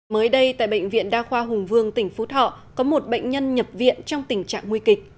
mới đây tại bệnh viện đa khoa hùng vương tỉnh phú thọ có một bệnh nhân nhập viện trong tình trạng nguy kịch